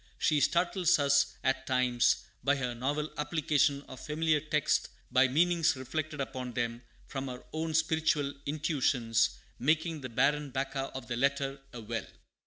She startles us, at times, by her novel applications of familiar texts, by meanings reflected upon them from her own spiritual intuitions, making the barren Baca of the letter a well.